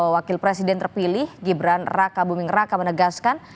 wakil presiden terpilih gibran raka buming raka menegaskan